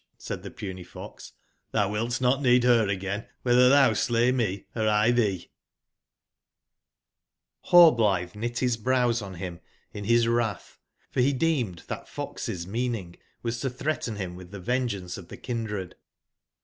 said tbe puny fox; "tbou wilt not need ber again, wbctber tbou slay me, or 1 tbee/' RHLLBUXTRG knit bis brows on bim in bis wratb; for bedeemed tbat fox'smeaningwas to tbreaten bim witb tbe vengeance of tbe kindred.